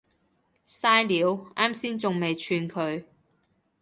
曬料，岩先仲未串佢